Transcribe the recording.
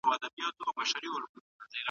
منافق مه اوسئ.